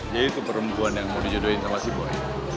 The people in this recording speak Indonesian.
jadi itu perempuan yang mau dijodohin sama si boy